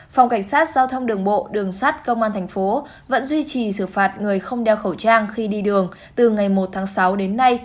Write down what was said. phòng cảnh sát giao thông đường bộ đường sát công an thành phố vẫn duy trì xử phạt người không đeo khẩu trang khi đi đường từ ngày một tháng sáu đến nay